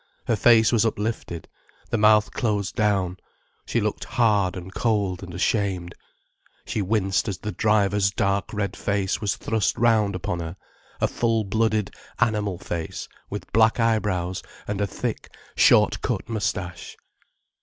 Her face was uplifted, the mouth closed down, she looked hard and cold and ashamed. She winced as the driver's dark red face was thrust round upon her, a full blooded, animal face with black eyebrows and a thick, short cut moustache.